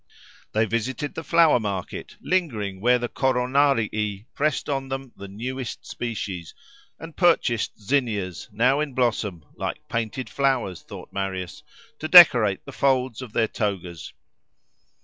They visited the flower market, lingering where the coronarii pressed on them the newest species, and purchased zinias, now in blossom (like painted flowers, thought Marius), to decorate the folds of their togas.